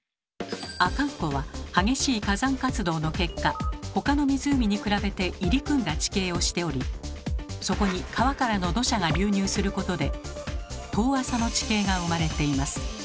阿寒湖は激しい火山活動の結果他の湖に比べて入り組んだ地形をしておりそこに川からの土砂が流入することで遠浅の地形が生まれています。